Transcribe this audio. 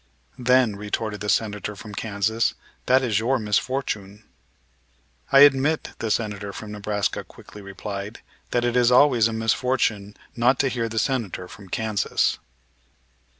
"Then," retorted the Senator from Kansas, "that is your misfortune." "I admit," the Senator from Nebraska quickly replied, "that it is always a misfortune not to hear the Senator from Kansas."